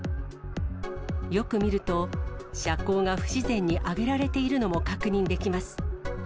よく見ると、車高が不自然に上げられているのも確認できます。